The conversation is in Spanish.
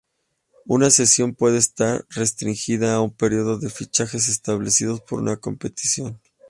Una cesión puede estar restringida a un periodo de fichajes establecido por una competición.